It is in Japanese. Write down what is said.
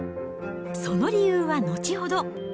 その理由は後ほど。